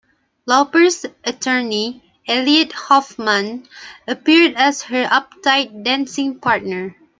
Lauper's attorney, Elliot Hoffman, appeared as her uptight dancing partner.